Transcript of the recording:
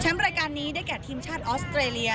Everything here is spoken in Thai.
รายการนี้ได้แก่ทีมชาติออสเตรเลีย